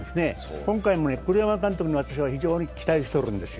今回も栗山監督に非常に期待しておるんですよ。